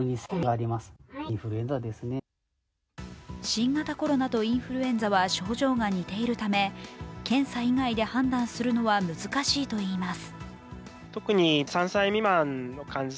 新型コロナとインフルエンザは症状が似ているため検査以外で判断するのは難しいといいます。